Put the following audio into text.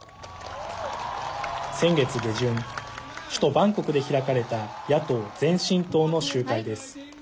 先月下旬首都バンコクで開かれた野党・前進党の集会です。